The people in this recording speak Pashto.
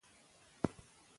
اسلام علم فرض بولي.